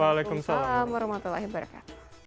waalaikumsalam warahmatullahi wabarakatuh